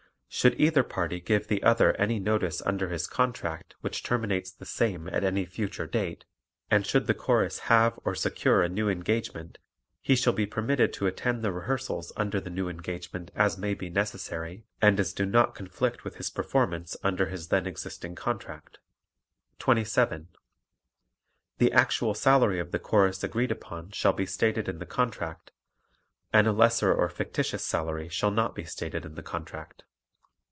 Should either party give the other any notice under his contract which terminates the same at any future date and should the Chorus have or secure a new engagement he shall be permitted to attend the rehearsals under the new engagement as may be necessary and as do not conflict with his performance under his then existing contract. 27. The actual salary of the Chorus agreed upon shall be stated in the contract and a lesser or fictitious salary shall not be stated in the contract.